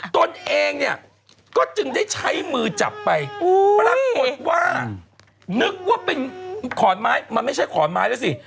ตนเองเนี่ยก็จึงได้ใช้มือจับไปปรากฏว่านึกว่าเป็นขอนไม้มันไม่ใช่ขอนไม้แล้วสิ